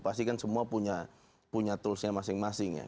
pasti kan semua punya toolsnya masing masing ya